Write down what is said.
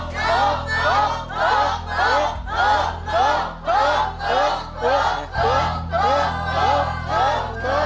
โรค